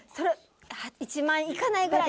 １万いかないぐらい。